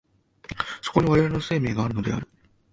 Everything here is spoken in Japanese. そこに我々の生命があるのである。